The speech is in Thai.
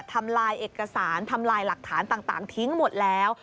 ทำลายเอกสารทำลายหลักฐานต่างทิ้งหมดแล้ว